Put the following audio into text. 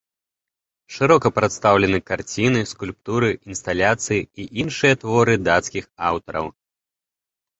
Шырока прадстаўлены карціны, скульптуры, інсталяцыі і іншыя творы дацкіх аўтараў.